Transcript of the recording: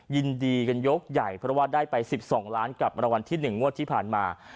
ยินดีกันยกใหญ่เพราะว่าได้ไป๑๒ล้านกับรางวัลที่๑งวดที่ผ่านมา